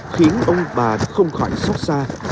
khiến ông bà không khỏi xót xa